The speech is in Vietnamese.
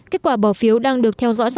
kết quả bỏ phiếu đang được theo dõi sát sao